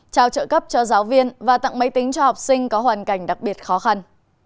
trao trợ cấp cho giáo viên và tặng máy tính cho học sinh có hoàn cảnh đặc biệt khó khăn